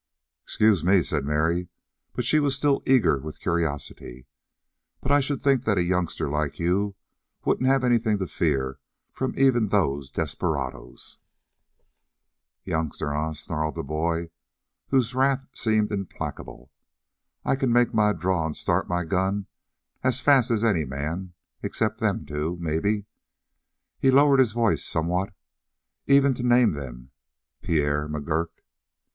"Excuse me," said Mary, but she was still eager with curiosity, "but I should think that a youngster like you wouldn't have anything to fear from even those desperadoes." "Youngster, eh?" snarled the boy, whose wrath seemed implacable. "I can make my draw and start my gun as fast as any man except them two, maybe" he lowered his voice somewhat even to name them "Pierre McGurk!"